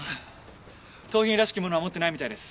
盗品らしき物は持ってないみたいです。